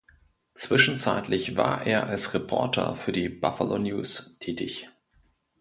Zwischenzeitlich war er als Reporter für die "Buffalo News" tätig.